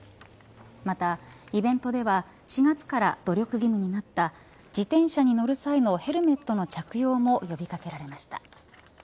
また、イベントでは４月から努力義務になった自転車に乗る際のヘルメットの着用も呼び掛けられました。